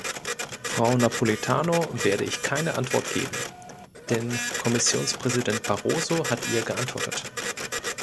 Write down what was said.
Frau Napoletano werde ich keine Antwort geben, denn Kommissionspräsident Barroso hat ihr geantwortet.